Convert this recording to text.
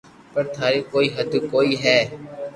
پر ٿاري ڪوئي ھد ڪوئي ھي